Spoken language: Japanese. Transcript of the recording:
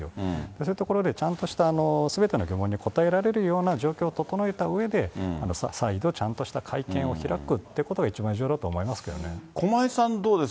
そういうところでちゃんとした、すべての疑問に答えられるような状況を整えたうえで、再度ちゃんとした会見を開くっていうことが、駒井さんどうです？